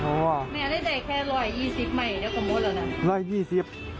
เพราะว่าแม้ได้แค่๑๒๐ไหมเนี่ยผมบอกแล้วนะ